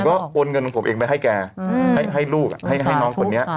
ก็โอนเงินของผมเองไปให้แกให้ลูกให้น้องคนนี้